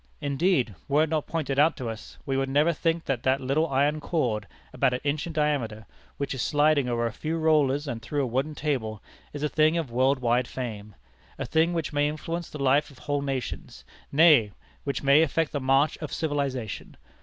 Indeed, were it not pointed out to us, we would never think that that little iron cord, about an inch in diameter, which is sliding over a few rollers and through a wooden table, is a thing of world wide fame a thing which may influence the life of whole nations; nay, which may affect the march of civilization.